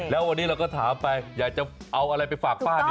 แล้ววันนี้เราก็ถามไปอยากจะเอาอะไรไปฝากป้าดิ